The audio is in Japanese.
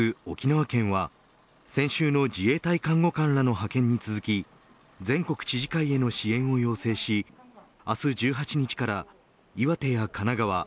沖縄県は先週の自衛隊看護官らの派遣に続き全国知事会への支援を要請し明日１８日から岩手や神奈川